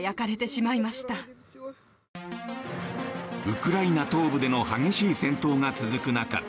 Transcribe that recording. ウクライナ東部での激しい戦闘が続く中